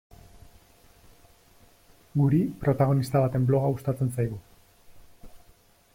Guri, protagonista baten bloga gustatzen zaigu.